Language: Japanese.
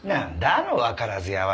あのわからず屋は。